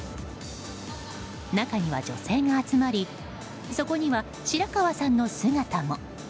中には女性が集まりそこには白河さんの姿も。